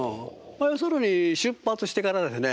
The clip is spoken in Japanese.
要するに出発してからですね